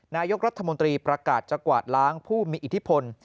นายกรัฐมนตรีประกาศจะกวาดล้างผู้มีอิทธิพล